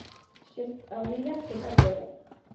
შესწავლილია ქვედა გორა.